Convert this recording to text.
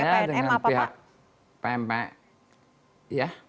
saya dengan pihak pnm ya